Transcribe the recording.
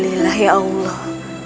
alhamdulillah ya allah